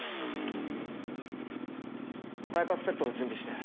バイパスセットを準備して。